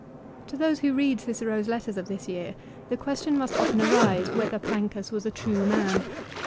To those who read Cicero's letters of this year, the question must often arise whether Plancus was a true man.